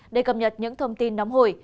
để cập nhật những thông tin nóng hổi